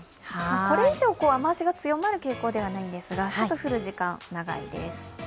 これ以上、雨足が強まる傾向ではないんですがちょっと降る時間、長いです。